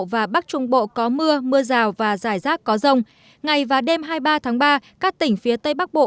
và bắc trung bộ có mưa mưa rào và rải rác có rông ngày và đêm hai mươi ba tháng ba các tỉnh phía tây bắc bộ